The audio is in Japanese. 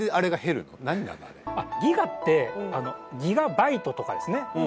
あれギガってギガバイトとかですね